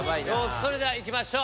それではいきましょう。